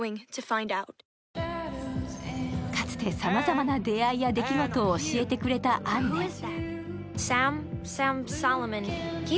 かつて、さまざまな出会いや出来事を教えてくれたアンネ。